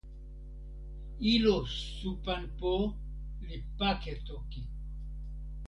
ilo Supanpo li pake toki.